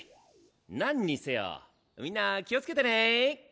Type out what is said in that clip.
なんにせよみんな気をつけてね。